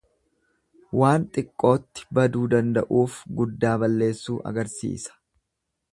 Waan xiqqootti baduu danda'uuf guddaa balleessuu agarsiisa.